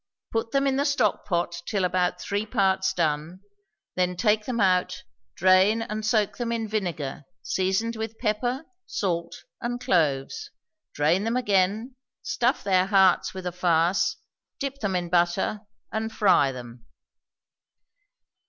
Put them in the stock pot till about three parts done; then take them out, drain and soak them in vinegar seasoned with pepper, salt, and cloves; drain them again, stuff their hearts with a farce, dip them in butter, and fry them.